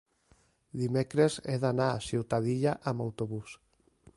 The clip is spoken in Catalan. dimecres he d'anar a Ciutadilla amb autobús.